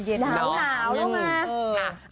หนาวแล้วไง